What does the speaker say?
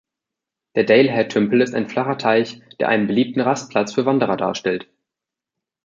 Der Dalehead-Tümpel ist ein flacher Teich, der einen beliebten Rastplatz für Wanderer darstellt.